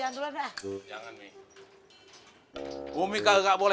yang dibeli beli dulu barang jadi